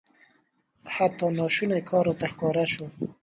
حتی ناشونی کار راته ښکاره سو.